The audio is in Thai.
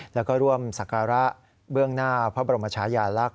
แล้วก็ร่วมศักระเบื้องหน้าพระบรมชายาลักษณ